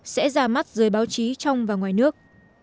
sẽ ra mắt dưới báo chí trong và ngoài nước